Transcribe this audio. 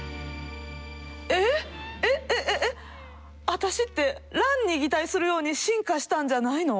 私ってランに擬態するように進化したんじゃないの？